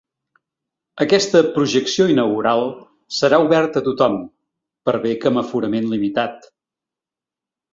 Aquesta projecció inaugural serà oberta a tothom, per bé que amb aforament limitat.